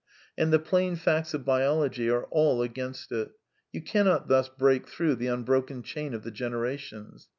And the plain facts of biology are all against it. You cannot thus break through the unbroken chain of the generations.